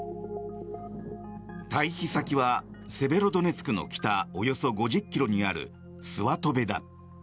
退避先はセベロドネツクの北およそ５０ｋｍにあるスワトベだ。